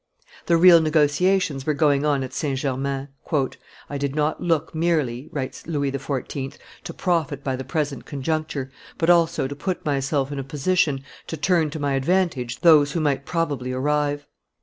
The real negotiations were going on at St. Germain. "I did not look merely," writes Louis XIV., "to profit by the present conjuncture, but also to put myself in a position to turn to my advantage those which might probably arrive.